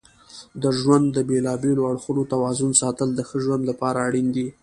د ژوند د بیلابیلو اړخونو توازن ساتل د ښه ژوند لپاره اړین دي.